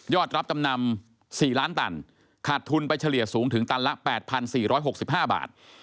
รับจำนำ๔ล้านตันขาดทุนไปเฉลี่ยสูงถึงตันละ๘๔๖๕บาท